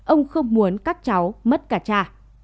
ông không muốn các cháu mất cả cha